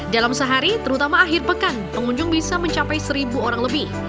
dalam sehari terutama akhir pekan pengunjung bisa mencapai seribu orang lebih